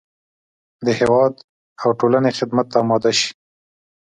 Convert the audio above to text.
د هېواد او ټولنې خدمت ته اماده شي.